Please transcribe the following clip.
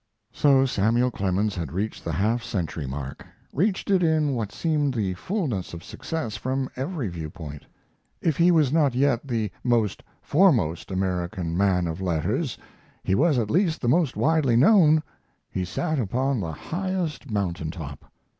So Samuel Clemens had reached the half century mark; reached it in what seemed the fullness of success from every viewpoint. If he was not yet the foremost American man of letters, he was at least the most widely known he sat upon the highest mountain top.